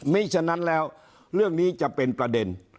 ฉะนั้นแล้วเรื่องนี้จะเป็นประเด็น